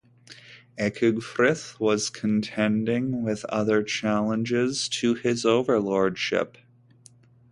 Ecgfrith was contending with other challenges to his overlordship.